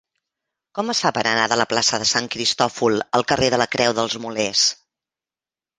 Com es fa per anar de la plaça de Sant Cristòfol al carrer de la Creu dels Molers?